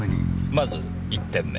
まず１点目。